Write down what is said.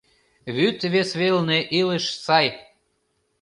Вӱд вес велне илыш сай;